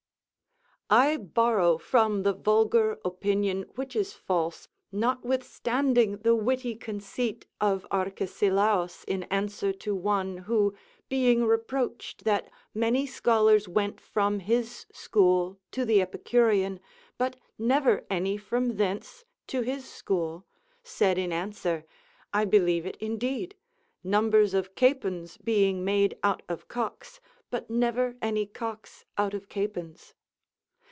] I borrow from the vulgar opinion, which is false, notwithstanding the witty conceit of Arcesilaus in answer to one, who, being reproached that many scholars went from his school to the Epicurean, but never any from thence to his school, said in answer, "I believe it indeed; numbers of capons being made out of cocks, but never any cocks out of capons."